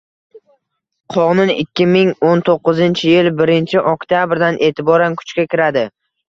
Qonun ikki ming o'n to'qqizinchi yil birinchi oktabrdan e’tiboran kuchga kiradi.